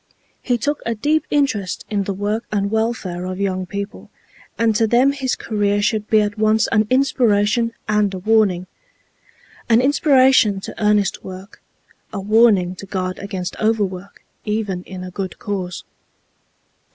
He took a deep interest in the work and welfare of young people, and to them his career should be at once an inspiration and a warning—an inspiration to earnest work, a warning to guard against overwork even in a good cause.